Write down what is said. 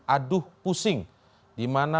aduh pusing dimana